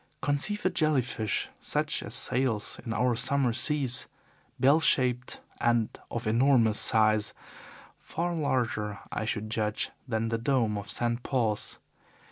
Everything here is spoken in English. "Conceive a jelly fish such as sails in our summer seas, bell shaped and of enormous size far larger, I should judge, than the dome of St. Paul's.